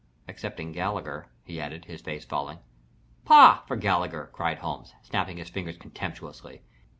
"Excepting Gallagher," he added, his face falling. "Pah for Gallagher!" cried Holmes, snapping his fingers contemptuously.